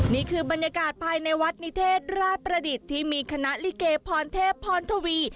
นี่คือบรรยากาศภายในวัดนิเทศราชประดิษฐ์ที่มีคณะลิเกพรเทพพรทวี